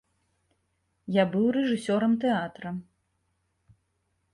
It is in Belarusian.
Я быў рэжысёрам тэатра.